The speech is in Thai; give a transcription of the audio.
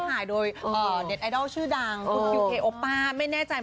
พอแล้วหนูเขิน